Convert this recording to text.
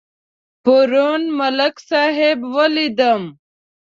پرون ملک صاحب ولیدم.